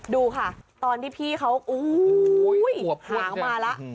ดูค่ะตอนที่พี่เขาหางมาแล้ว